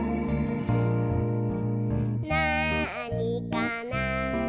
「なあにかな？」